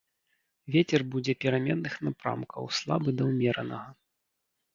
Вецер будзе пераменных напрамкаў слабы да ўмеранага.